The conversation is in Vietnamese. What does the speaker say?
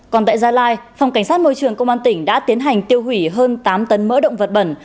còn tại gia lai phòng cảnh sát môi trường công an tỉnh đã tiến hành tiêu hủy hơn tám tấn mỡ động vật bẩn